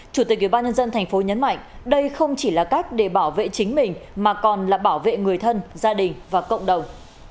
chủ tịch ubnd tp nhấn mạnh đây không chỉ là cách để bảo vệ chính mình mà còn là bảo vệ người thân gia đình và cộng đồng